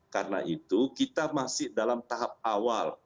karena itu kita masih dalam tahap awal